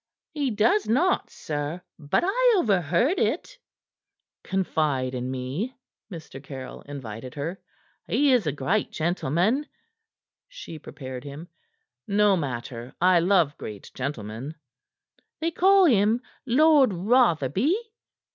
"He does not, sir; but I overheard it." "Confide in me," Mr. Caryll invited her. "He is a great gentleman," she prepared him. "No matter. I love great gentlemen." "They call him Lord Rotherby."